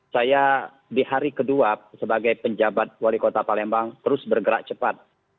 saya di hari kedua sebagai penjabat wali kota palembang terus bergerak cepat